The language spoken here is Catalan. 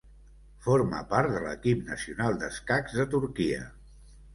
Forma part de l'equip nacional d'escacs de Turquia.